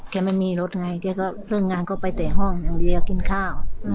แค่ไม่มีรถงงงานเกิดตกไปอย่างเดียวห้องกลัวห้องกินข้าว